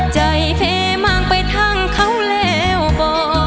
ใจเฟมากไปทางเขาแล้วบ่